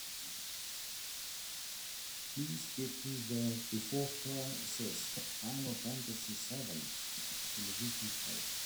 Please get me the Before Crisis: Final Fantasy VII television show.